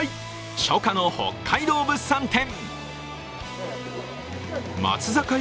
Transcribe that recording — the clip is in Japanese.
初夏の北海道物産展。